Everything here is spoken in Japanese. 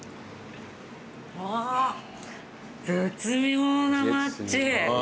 あっ絶妙なマッチ。